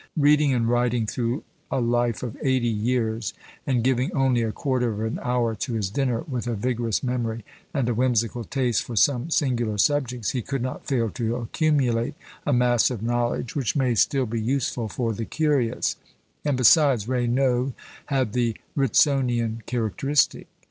Beading and writing through a life of eighty years, and giving only a quarter of an hour to his dinner, with a vigorous memory, and a whimsical taste for some singular subjects, he could not fail to accumulate a mass of knowledge which may still be useful for the curious; and besides, Raynaud had the Ritsonian characteristic.